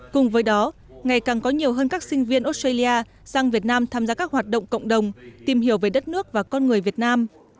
cùng với đó ngày càng có nhiều hơn các sinh viên australia sang việt nam tham gia các hoạt động cộng đồng tìm hiểu về đất nước và con người việt nam